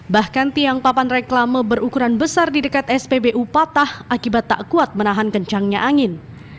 bahkan tiang papan reklama berukuran besar di dekat spbu patah akibat tak kuat menahan kencangnya angin